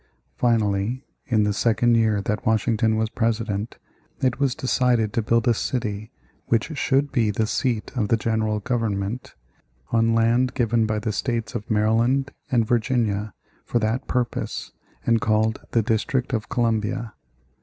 Finally, in the second year that Washington was President, it was decided to build a city which should be the seat of the general government, on land given by the States of Maryland and Virginia for that purpose and called the District of Columbia.